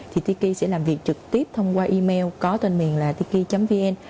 thì tiki sẽ làm việc trực tiếp thông qua email có tên miền là tiki vn